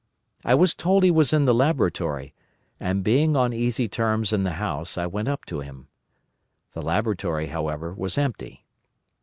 I was told he was in the laboratory, and being on easy terms in the house, I went up to him. The laboratory, however, was empty.